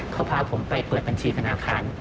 เขาพาผมไปเปิดบัญชีธนาคาร